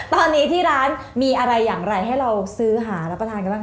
ตอนนี้ที่ร้านมีอะไรอย่างไรให้เราซื้อหารับประทานกันบ้างค